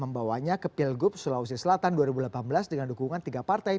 pertama kebijakan kemampuan kemampuan di sulawesi selatan dua ribu delapan belas dengan dukungan tiga partai